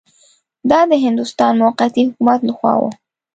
دا د هندوستان موقتي حکومت له خوا وه.